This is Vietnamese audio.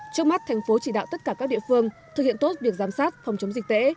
trong mắt tp hcm chỉ đạo tất cả các địa phương thực hiện tốt việc giám sát phòng chống dịch tễ